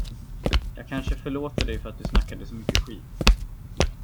Jag kanske förlåter dig för att du snackade så mycket skit.